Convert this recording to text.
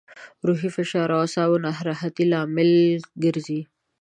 روحي فشار او اعصابو ناراحتي لامل ګرځي.